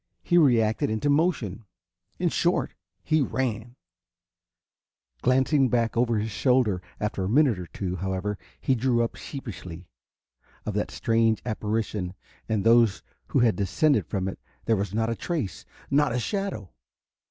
He reacted into motion. In short, he ran. Glancing back over his shoulder after a minute or two, however, he drew up sheepishly. Of that strange apparition and those who had descended from it there was not a trace, not a shadow!